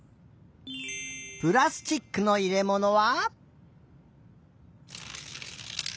プラスチックのいれものは？